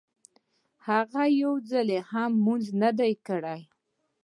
هغه يو ځل هم لمونځ نه دی کړی.